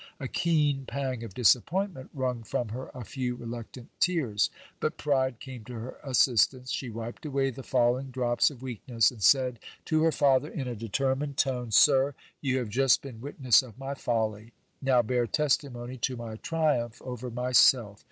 A keen pang of disappointment wrung from her a few reluctant ttars ; but pride came to her assistance ; she wiped away the falling drops of weakness, and said to her father in a determined tone : Sir, you have just been witness of my folly ; now bear testimony to my triumph over myself.